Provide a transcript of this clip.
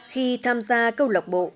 khi tham gia câu lạc bộ